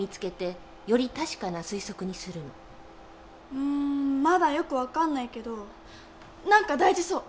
うんまだよく分かんないけど何か大事そう。